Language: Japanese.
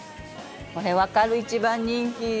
これわかる一番人気。